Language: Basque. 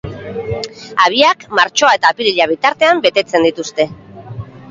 Habiak martxoa eta apirila bitartean betetzen dituzte.